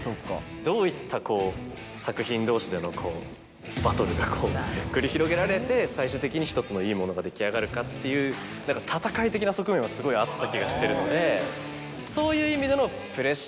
どういった作品同士でのバトルが繰り広げられて最終的に１つのいいものが出来上がるかっていう戦い的な側面はすごいあった気がしてるのでそういう意味での。